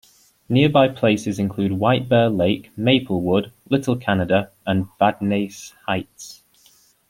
Nearby places include White Bear Lake, Maplewood, Little Canada, and Vadnais Heights.